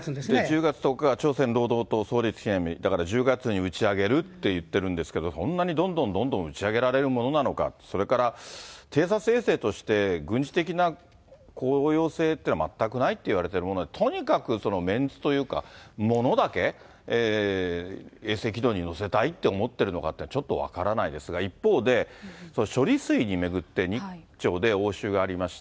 １０月１０日が朝鮮労働党創立記念日、だから１０月に打ち上げるって言ってるんですけど、そんなにどんどんどんどん打ち上げられるものなのか、それから偵察衛星として軍事的な効用性というのは全くないといわれているもの、とにかくメンツというか、ものだけ衛星軌道に乗せたいって思ってるのかってちょっと分からないですが、一方で、処理水を巡って日朝で応酬がありました。